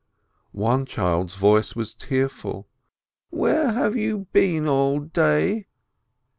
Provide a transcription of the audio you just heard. One child's voice was tearful : "Where have you been all day